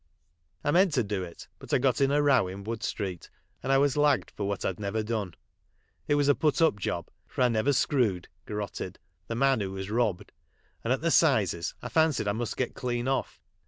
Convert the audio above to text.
I meant to do it, but I got in a row in Wood street, and I was lagged for what I'd never done. It was a put up job, for I never screwed (garotted) the man who" was robbed, and at the 'sizes I fancied I must get clean off.